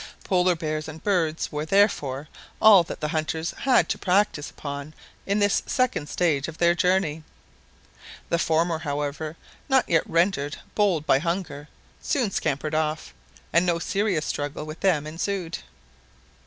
Polar bears and birds were, therefore, all that the hunters had to practise upon in this second stage of their journey. The former, however, not yet rendered bold by hunger, soon scampered off, and no serious struggle with them ensued.